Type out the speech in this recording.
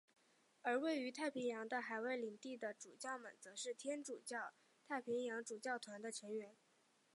而位于太平洋的海外领地的主教们则是天主教太平洋主教团的成员。